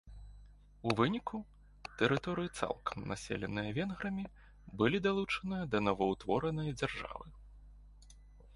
У выніку, тэрыторыі цалкам населеныя венграмі былі далучаныя да новаўтворанай дзяржавы.